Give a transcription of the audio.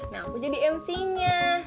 nah aku jadi mcnya